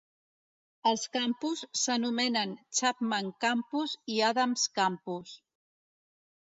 Els campus s'anomenen Chapman Campus i Adams Campus.